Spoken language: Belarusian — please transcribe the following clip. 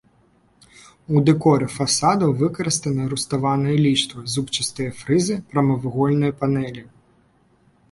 У дэкоры фасадаў выкарыстаны руставаныя ліштвы, зубчастыя фрызы, прамавугольныя панэлі.